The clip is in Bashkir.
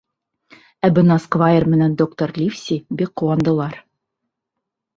Ә бына сквайр менән доктор Ливси бик ҡыуандылар.